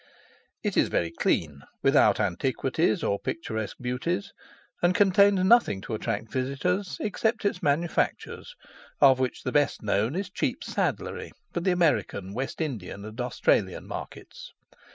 It is very clean, without antiquities or picturesque beauties, and contains nothing to attract visitors except its manufactures, of which the best known is cheap saddlery for the American, West Indian, and Australian markets.